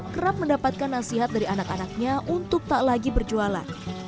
kerap mendapatkan nasihat dari anak anaknya untuk tak lagi berjualan